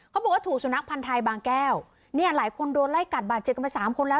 เขาบอกว่าถูกสุนัขพันธ์ไทยบางแก้วเนี่ยหลายคนโดนไล่กัดบาดเจ็บกันไปสามคนแล้ว